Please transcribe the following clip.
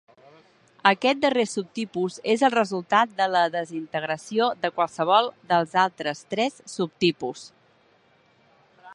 Aquest darrer subtipus és el resultat de la desintegració de qualsevol dels altres tres subtipus.